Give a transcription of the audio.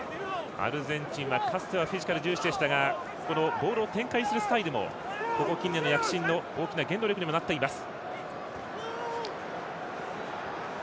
アルゼンチンはかつてはフィジカル重視でしたがこのボールを展開するスタイルもここ近年に躍進の大きな原動力にもなっています。